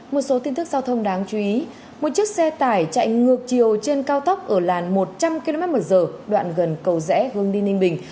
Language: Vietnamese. một số tin tức giao thông đáng chú ý một chiếc xe tải chạy ngược chiều trên cao tốc ở làn một trăm linh kmh đoạn gần cầu rẽ hương đi ninh bình